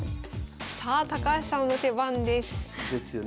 さあ高橋さんの手番です。ですよね。